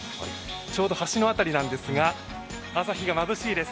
ちょうど橋の辺りなんですが朝日がまぶしいです。